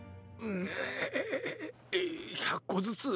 う１００こずつ？